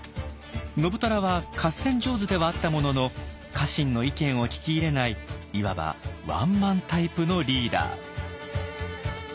信虎は合戦上手ではあったものの家臣の意見を聞き入れないいわばワンマンタイプのリーダー。